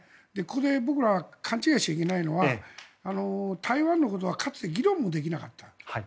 僕らが勘違いしちゃいけないのは台湾のことはかつて議論もできなかった。